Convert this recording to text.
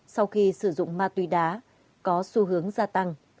sau khi sử dụng ma túy đá có xu hướng gia tăng